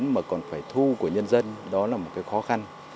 mà còn phải thu của nhân dân đó là một cái khó khăn